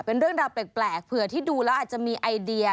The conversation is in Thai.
เป็นเรื่องราวแปลกเผื่อที่ดูแล้วอาจจะมีไอเดีย